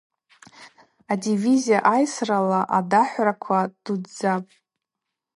Адивизия айсрала адахӏвраква дудздзапӏ.